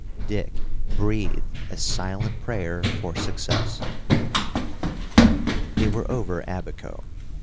Dick breathed a silent prayer for success. They were over Abaco.